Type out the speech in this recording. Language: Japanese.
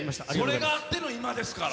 それがあっての今ですから。